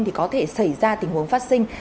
thì có thể xảy ra tình huống phát sinh